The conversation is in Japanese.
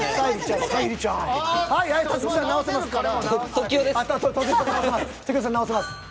時生さん直せます。